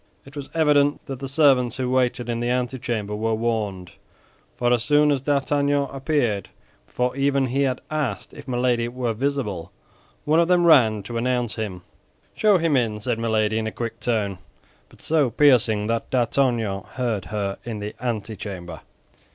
It was evident that the servants who waited in the antechamber were warned, for as soon as D'Artagnan appeared, before even he had asked if Milady were visible, one of them ran to announce him. "Show him in," said Milady, in a quick tone, but so piercing that D'Artagnan heard her in the antechamber.